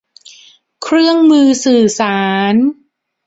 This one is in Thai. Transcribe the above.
เครื่องมือสื่อสาร